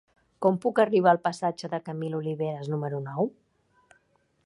Com puc arribar al passatge de Camil Oliveras número nou?